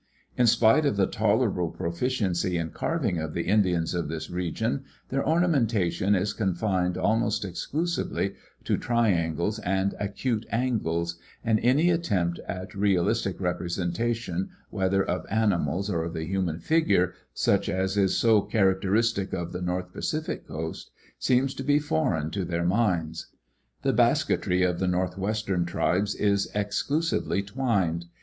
In spite of the tolerable proficiency in carving of the Indians of this region, their ornamentation is confined almost exclusively to triangles and acute angles, and any attempt at realistic representation whether of animals or of the human figure, such as is so charac teristic of the North Pacific coast, seems to be foreign to their minds. The basketry of the northwestern tribes is exclusively twined.